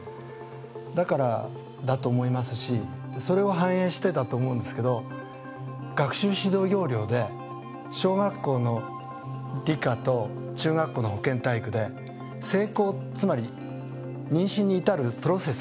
だからだと思いますしそれを反映してだと思いますが学習指導要領で小学校の理科と中学校の保健体育で性交つまり妊娠に至るプロセス